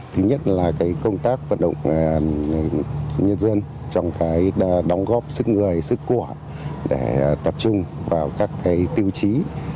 thứ nhất là công tác vận động nhân dân trong đóng góp sức người sức của để tập trung vào các tiêu chí